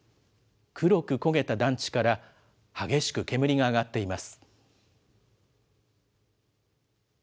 黒く焦げた団地から激しく煙が上がっています。